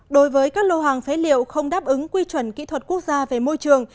đối với các lô hàng phế liệu không đáp ứng quy chuẩn kỹ thuật quốc gia về môi trường